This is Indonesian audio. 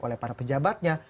oleh para pejabatnya